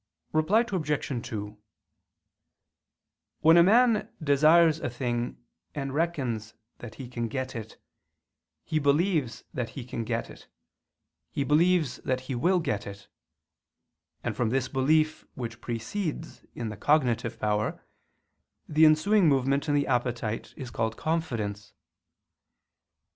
Reply Obj. 2: When a man desires a thing and reckons that he can get it, he believes that he can get it, he believes that he will get it; and from this belief which precedes in the cognitive power, the ensuing movement in the appetite is called confidence.